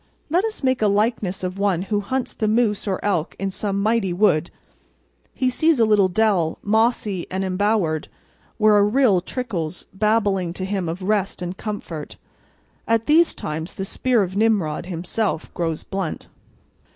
Let us make a likeness of one who hunts the moose or elk in some mighty wood. He sees a little dell, mossy and embowered, where a rill trickles, babbling to him of rest and comfort. At these times the spear of Nimrod himself grows blunt.